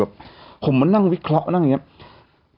ผมมานั่งวิเคราะห์นั่งอย่างนี้